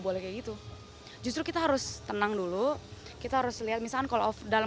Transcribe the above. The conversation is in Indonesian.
boleh gitu justru kita harus tenang dulu kita harus lihat misalkan call of dalam